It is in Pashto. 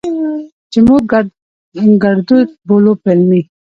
چې موږ ګړدود بولو، په علمي